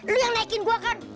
lu yang naikin gue kan